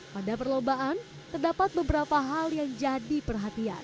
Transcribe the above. pada perlombaan terdapat beberapa hal yang jadi perhatian